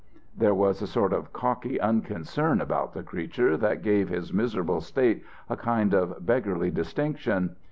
"There was a sort of cocky unconcern about the creature that gave his miserable state a kind of beggarly distinction.